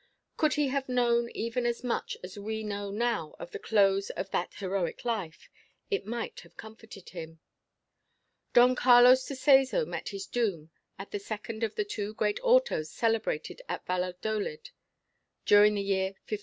Could he have known even as much as we know now of the close of that heroic life, it might have comforted him. Don Carlos de Seso met his doom at the second of the two great Autos celebrated at Valladolid during the year 1559.